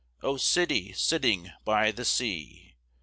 O City sitting by the Sea!